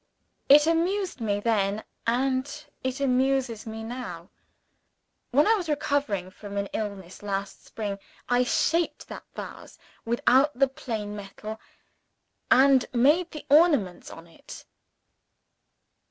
It amused me, then and it amuses me now. When I was recovering from an illness last spring, I shaped that vase out of the plain metal, and made the ornaments on it."